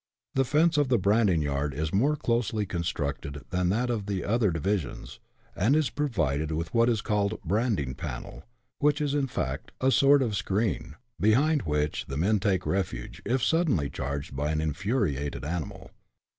The fence of the branding yard is more closely constructed than that of the other divisions, and is provided with what is called a " branding panel," which is, in fact, a sort of screen, behind which the men take refuge, if suddenly charged by an infuriated animal.